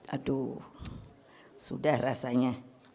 aduh sudah rasanya